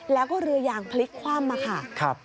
แล้วก็เรือยางพลิกคว่ำมาค่ะ